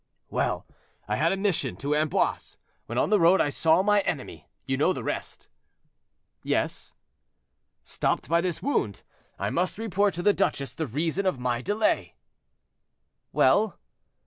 "Well, I had a mission to Amboise; when on the road I saw my enemy; you know the rest."—"Yes." "Stopped by this wound, I must report to the duchesse the reason of my delay." "Well?"